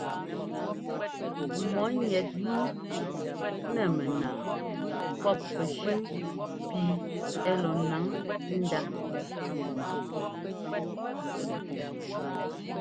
Mɔ̌ ŋɛt wú nɛ mɛnaa pɔ́p pɛ́shʉn pi ɛ́ lɔ ńnáŋ ndá.